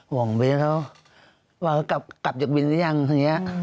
ห่วงเบสเขาว่ากลับจากวินหรือยังอย่างนี้